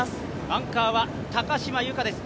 アンカーは高島由香です。